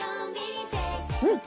うん？